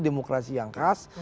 demokrasi yang khas